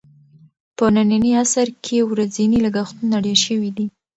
په ننني عصر کې ورځني لګښتونه ډېر شوي دي.